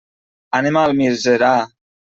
Anem a Almiserà.